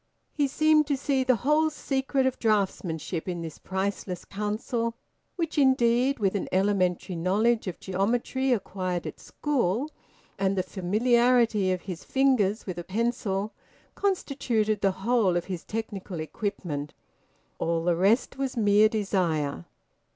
He seemed to see the whole secret of draughtsmanship in this priceless counsel, which, indeed, with an elementary knowledge of geometry acquired at school, and the familiarity of his fingers with a pencil, constituted the whole of his technical equipment. All the rest was mere desire.